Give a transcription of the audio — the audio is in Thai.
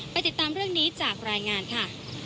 ติดตามเรื่องนี้จากรายงานค่ะ